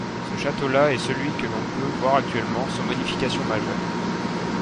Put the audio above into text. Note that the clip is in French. Ce château-là est celui que l'on peut voir actuellement sans modification majeure.